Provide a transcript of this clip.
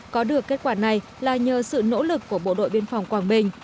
có được kết quả này là nhờ sự nỗ lực của bộ đội biên phòng quảng bình